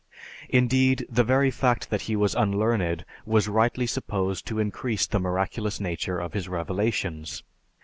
Indeed, the very fact that he was unlearned was rightly supposed to increase the miraculous nature of his revelations.